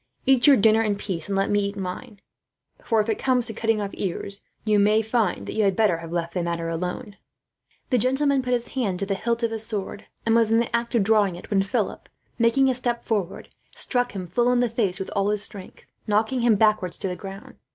"Eat your dinner in peace, and let me eat mine; for if it comes to cutting off ears, you may find that you had better have left the matter alone." [Illustration: Philip struck him full in the face.] The gentleman put his hand to the hilt of his sword, and was in the act of drawing it when Philip, making a step forward, struck him full in the face with all his strength, knocking him backwards to the ground.